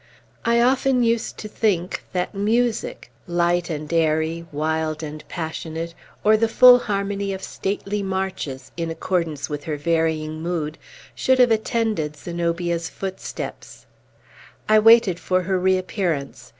I often used to think that music light and airy, wild and passionate, or the full harmony of stately marches, in accordance with her varying mood should have attended Zenobia's footsteps. I waited for her reappearance.